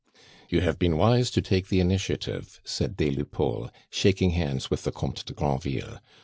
"You have been wise to take the initiative," said des Lupeaulx, shaking hands with the Comte de Granville.